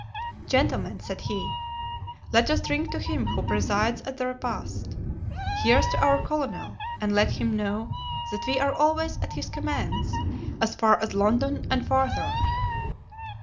"Gentlemen," said he, "let us drink to him who presides at the repast. Here's to our colonel, and let him know that we are always at his commands as far as London and farther."